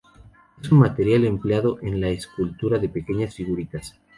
Es un material empleado en la escultura de pequeñas figuritas.